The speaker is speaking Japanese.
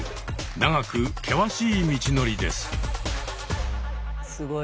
長く険しい道のりです。